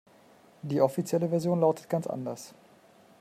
Die offizielle Version lautet ganz anders.